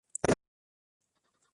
La tela resultante se seca al sol.